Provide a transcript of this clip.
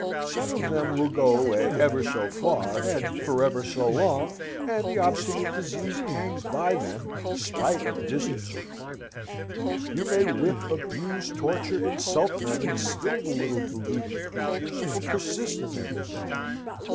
Some of them will go away ever so far, and forever so long, and the obstinate disease hangs by them, spite of distance or climate. You may whip, abuse, torture, insult them, and still the little deluded creatures will persist in their fidelity.